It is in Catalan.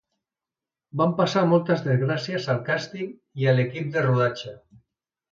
Van passar moltes desgràcies al càsting i a l'equip de rodatge.